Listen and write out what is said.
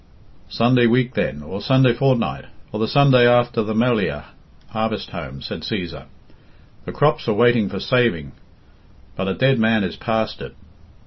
"Sunday week, then, or Sunday fortnight, or the Sunday after the Melliah (harvest home)," said Cæsar; "the crops are waiting for saving, but a dead man is past it.